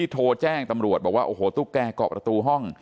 โทรแจ้งตำรวจบอกว่าโอ้โหตุ๊กแกเกาะประตูห้อง